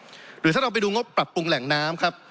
หรือถ้าเราไปดูงบปรับปรุงแหล่งน้ำครับ